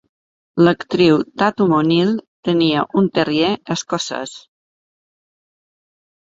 L'actriu Tatum O'Neal tenia un terrier escocès.